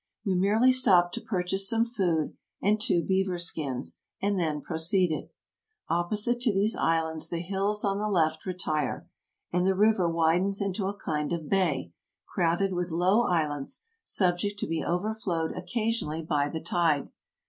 We merely stopped to purchase some food and two beaver skins, and then proceeded. Op posite to these islands the hills on the left retire, and the river widens into a kind of bay, crowded with low islands, subject to be overflowed occasionally by the tide.